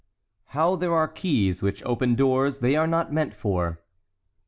HOW THERE ARE KEYS WHICH OPEN DOORS THEY ARE NOT MEANT FOR.